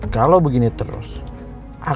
kalau begini tak ada masalah